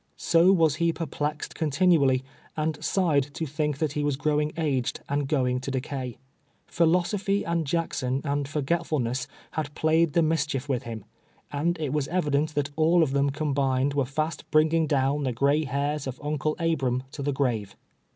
So was he perplexed continu ally, and sighed to think that he was growing aged and going to decay. Philosophy and Jackson and forgetfulness had played the mischief with him, and it was evident that all of them combined were fast bringing down the gray hairs of Uncle Abram to the grave.